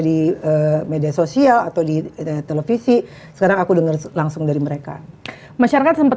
di media sosial atau di televisi sekarang aku dengar langsung dari mereka masyarakat sempat